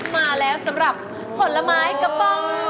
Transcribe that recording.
มาแล้วสำหรับผลไม้กระป๋อง